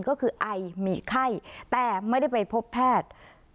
ก็คือไอมีไข้แต่ไม่ได้ไปพบแพทย์